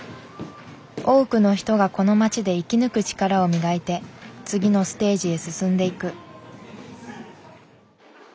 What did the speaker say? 多くの人がこの街で生き抜く力を磨いて次のステージへ進んでいく。